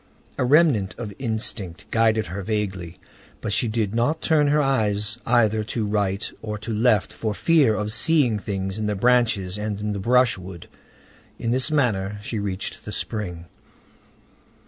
A remnant of instinct guided her vaguely. But she did not turn her eyes either to right or to left, for fear of seeing things in the branches and in the brushwood. In this manner she reached the spring.